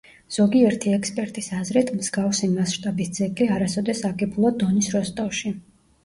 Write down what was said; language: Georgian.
ზოგიერთი ექსპერტის აზრით მსგავსი მასშტაბის ძეგლი არასოდეს აგებულა დონის როსტოვში.